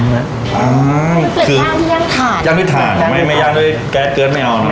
อ๋อคือเป็ดย่างที่ย่างถ่านย่างด้วยถ่านไม่ไม่ย่างด้วยแก๊สเกลือดไม่เอานะ